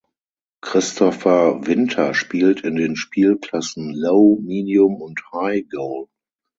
Christopher Winter spielt in den Spielklassen Low, Medium und High Goal.